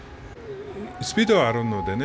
スピードはあるのでね